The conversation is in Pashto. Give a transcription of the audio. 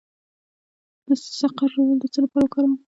د سقز ژوول د څه لپاره وکاروم؟